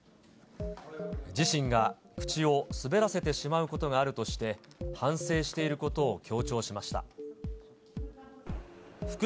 自身が口を滑らせてしまうことがあるとして、反省していることを強調しました。